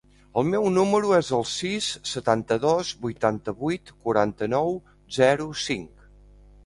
El meu número es el sis, setanta-dos, vuitanta-vuit, quaranta-nou, zero, cinc.